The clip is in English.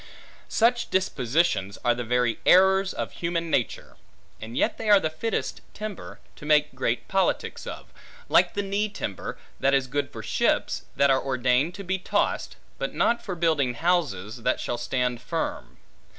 Such dispositions, are the very errors of human nature; and yet they are the fittest timber, to make great politics of; like to knee timber, that is good for ships, that are ordained to be tossed; but not for building houses, that shall stand firm.